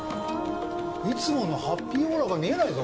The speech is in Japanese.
いつものハッピーオーラが見えないぞ？